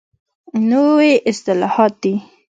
نوي اصطلاحات دي.